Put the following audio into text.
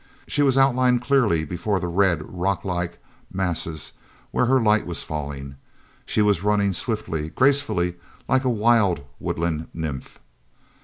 She was outlined clearly before the red, rock like masses where her light was falling; she was running swiftly, gracefully, like a wild, woodland nymph.